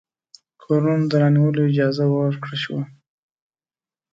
کورونو د رانیولو اجازه ورکړه شوه.